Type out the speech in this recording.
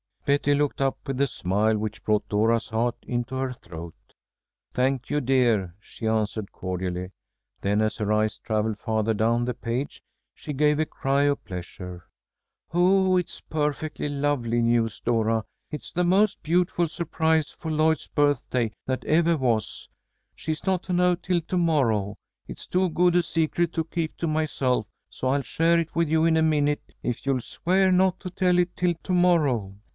Betty looked up with a smile which brought Dora's heart into her throat. "Thank you, dear," she answered, cordially. Then, as her eye travelled farther down the page, she gave a cry of pleasure. "Oh, it is perfectly lovely news, Dora. It's the most beautiful surprise for Lloyd's birthday that ever was. She's not to know till to morrow. It's too good a secret to keep to myself, so I'll share it with you in a minute if you'll swear not to tell till to morrow."